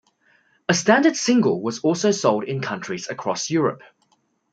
A standard single was also sold in countries across Europe.